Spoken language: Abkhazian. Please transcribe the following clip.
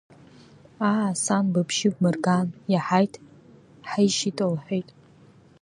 Аа, сан, быбжьы бмырган, иаҳаит ҳаишьит, — лҳәеит.